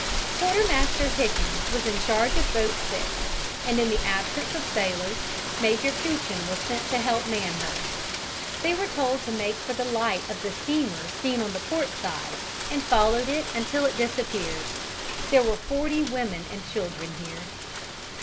Quartermaster Hickens was in charge of boat 6, and in the absence of sailors Major Peuchen was sent to help to man her. They were told to make for the light of the steamer seen on the port side, and followed it until it disappeared. There were forty women and children here.